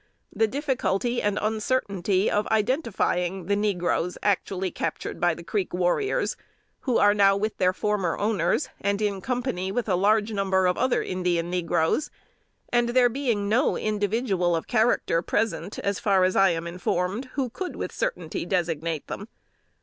The difficulty and uncertainty of identifying the negroes actually captured by the Creek warriors, who are now with their former owners, and in company with a large number of other Indian negroes, and there being no individual of character present (as far as I am informed) who could with certainty designate them.